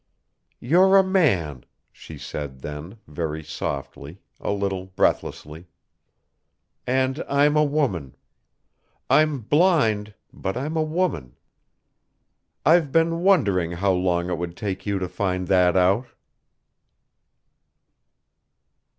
"You're a man," she said then, very softly, a little breathlessly. "And I'm a woman. I'm blind but I'm a woman. I've been wondering how long it would take you to find that out."